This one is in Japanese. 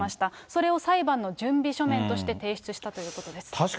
それを裁判の準備書面として提出したということです。